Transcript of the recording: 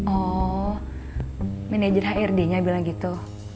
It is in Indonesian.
oh manajer hrd nya bilang gitu